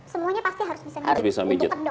semuanya pasti harus bisa